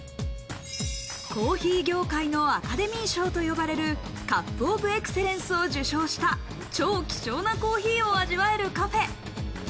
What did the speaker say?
コーヒー業界のアカデミー賞と呼ばれる、カップ・オブ・エクセレンスを受賞した超希少なコーヒーを味わえるカフェ。